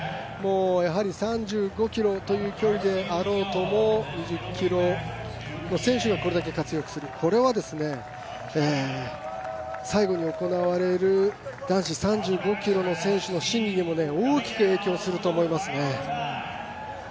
やはり３５ｋｍという距離であろうとも、２０ｋｍの選手がこれだけ活躍する、これは最後に行われる男子３５ｋｍの選手の心理にも大きく影響すると思いますね。